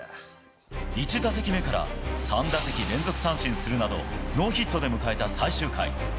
１打席目から３打席連続三振するなど、ノーヒットで迎えた最終回。